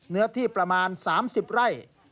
เนื้อที่ประมาณ๓๐ไร่